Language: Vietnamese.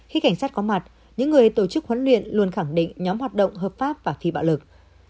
khi cảnh sát có mặt những người tổ chức huấn luyện luôn khẳng định nhóm hoạt động hợp pháp và phi bạo lực